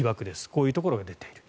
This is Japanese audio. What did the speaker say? こういうところが出ている。